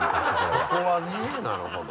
そこはねなるほど。